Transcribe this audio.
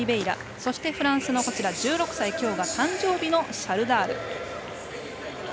そしてフランスの１６歳きょうが誕生日のシャルダール。